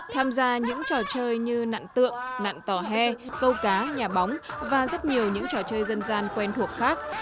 tham gia những trò chơi như nạn tượng nạn tỏa he câu cá nhà bóng và rất nhiều những trò chơi dân gian quen thuộc khác